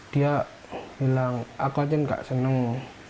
dia bilang aku aja gak seneng